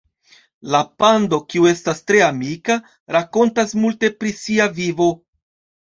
La pando, kiu estas tre amika, rakontas multe pri sia vivo.